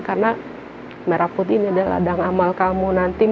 karena merah putih ini adalah adang amal kamu